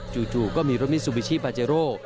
จู่ก็มีรถมิซูบิชิปาเจโร่